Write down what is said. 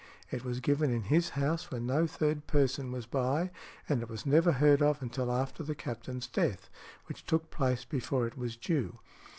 it was given in his house when no third person was by, and it was never heard of until after the captain's death, which took place before it was due.